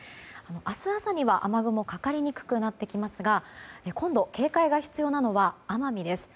明日朝には雨雲かかりにくくなってきますが今度、警戒が必要なのは奄美です。